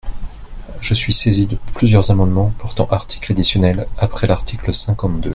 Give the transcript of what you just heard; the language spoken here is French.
Je suis saisi de plusieurs amendements portant article additionnel après l’article cinquante-deux.